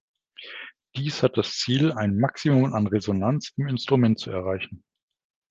Dies hat das Ziel, ein Maximum an Resonanz im Instrument zu erreichen.